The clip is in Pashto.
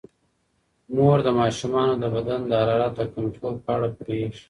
مور د ماشومانو د بدن د حرارت د کنټرول په اړه پوهیږي.